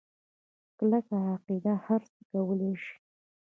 کلکه عقیده هرڅه کولی شي.